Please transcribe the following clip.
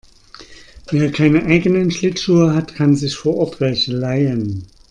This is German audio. Wer keine eigenen Schlittschuhe hat, kann sich vor Ort welche leihen.